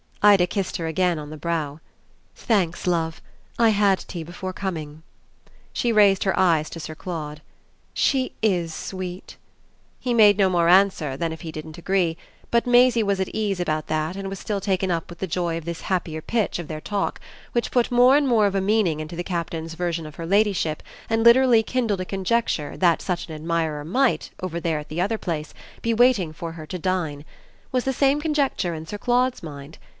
Ida kissed her again on the brow. "Thanks, love. I had tea before coming." She raised her eyes to Sir Claude. "She IS sweet!" He made no more answer than if he didn't agree; but Maisie was at ease about that and was still taken up with the joy of this happier pitch of their talk, which put more and more of a meaning into the Captain's version of her ladyship and literally kindled a conjecture that such an admirer might, over there at the other place, be waiting for her to dine. Was the same conjecture in Sir Claude's mind?